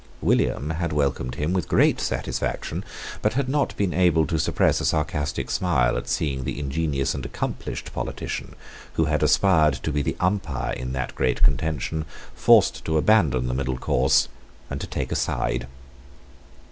William had welcomed him with great satisfaction, but had not been able to suppress a sarcastic smile at seeing the ingenious and accomplished politician, who had aspired to be the umpire in that great contention, forced to abandon the middle course and to take a side.